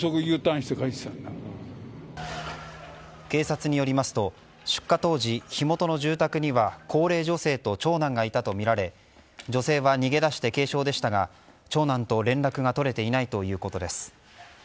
警察によりますと出火当時、火元の住宅には高齢女性と長男がいたとみられ女性は逃げ出して軽傷でしたが長男と連絡が取れていないということです。